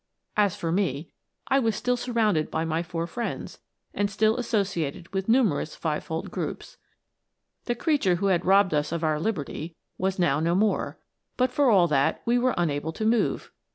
As for me, I was * The Coral Polype. THE LIFE OF AN ATOM. 57 still surrounded by my four friends, and still associated with numerous five fold groups. The creature who had robbed us of our liberty was now no more, but for all that we were unable to move.